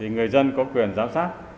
người dân có quyền giám sát